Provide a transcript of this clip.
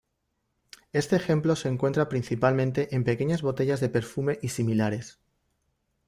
Este ejemplo se encuentra principalmente en pequeñas botellas de perfume y similares.